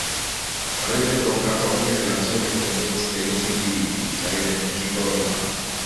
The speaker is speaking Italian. Avrebbe troncato ogni relazione con quei misteriosi individui, sarebbe fuggito lontano.